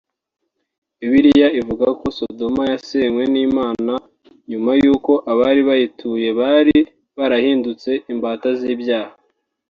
Bibiliya ivuga ko Sodoma yasenywe n’Imana nyuma y’uko abari bayituye bari barahindutse imbata z’ibyaha